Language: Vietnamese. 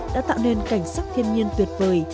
đã tạo nên cảnh sắc thiên nhiên tuyệt vời